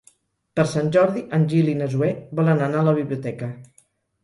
Per Sant Jordi en Gil i na Zoè volen anar a la biblioteca.